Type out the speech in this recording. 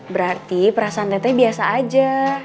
berarti perasaan teteh biasa aja